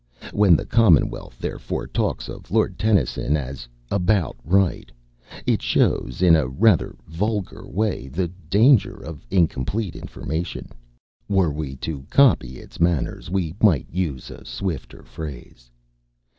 When the Commonwealth, therefore, talks of Lord Tennyson as "about right," it shows, in a rather vulgar way, the danger of incomplete information. Were we to copy its manners we might use a swifter phrase.